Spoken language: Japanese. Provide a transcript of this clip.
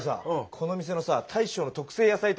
この店のさ大将の特製野菜炒め